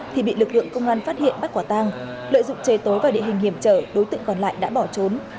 thì bị lực lượng công an phát hiện bắt quả tang lợi dụng trời tối và địa hình hiểm trở đối tượng còn lại đã bỏ trốn